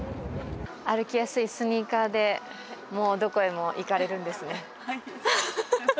歩きやすいスニーカーでどこでも行かれるんですね。